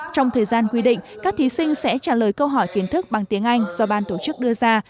trong thời gian quy định các thí sinh sẽ trả lời câu hỏi kiến thức bằng tiếng anh do ban tổ chức đưa ra